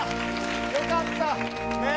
よかった、ねっ。